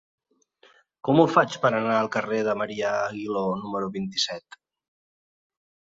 Com ho faig per anar al carrer de Marià Aguiló número vint-i-set?